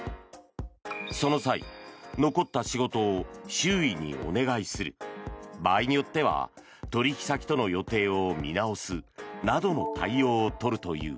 その際残った仕事を周囲にお願いする場合によっては取引先との予定を見直すなどの対応を取るという。